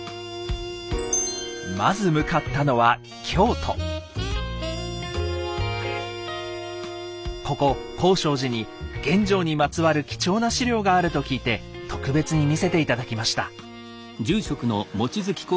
まず向かったのはここ興聖寺に玄奘にまつわる貴重な史料があると聞いて特別に見せて頂きました。